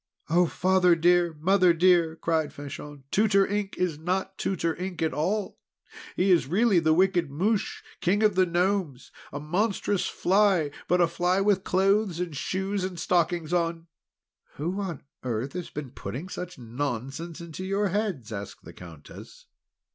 "Oh, Father dear, Mother dear!" cried Fanchon. "Tutor Ink is not Tutor Ink at all! He is really the wicked Mouche, King of the Gnomes; a monstrous fly, but a fly with clothes and shoes and stockings on!" "Who on earth has been putting such nonsense into your heads?" asked the Countess.